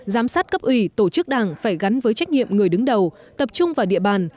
giám sát cấp ủy tổ chức đảng phải gắn với trách nhiệm người đứng đầu tập trung vào địa bàn